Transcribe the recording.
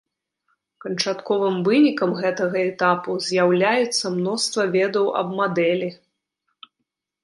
Канчатковым вынікам гэтага этапу з'яўляецца мноства ведаў аб мадэлі.